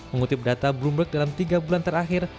mengutip data bloomberg dalam tiga bulan terakhir